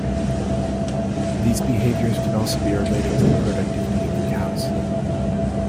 These behaviors can also be related to the productivity of the cows.